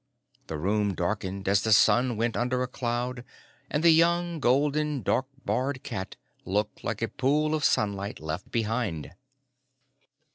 The room darkened as the sun went under a cloud and the young golden dark barred cat looked like a pool of sunlight left behind.